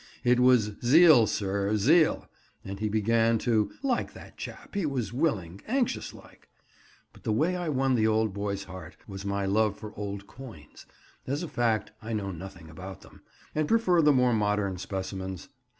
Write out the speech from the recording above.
"It was zeal, sir, zeal," and he began to "like that chap—he was willing, anxious like." But the way I won the old boy's heart was my love for old coins (as a fact, I know nothing about them, and prefer the more modern specimens).